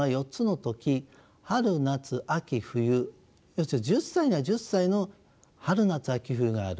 要するに１０歳には１０歳の春夏秋冬がある。